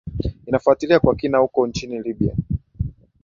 inafuatilia kwa kina huko nchini libya